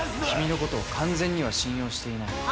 君のことを完全には信用していない。